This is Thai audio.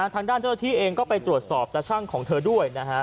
เจ้าหน้าที่เองก็ไปตรวจสอบตาชั่งของเธอด้วยนะฮะ